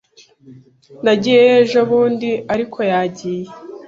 Nagiyeyo ejobundi, ariko yagiye.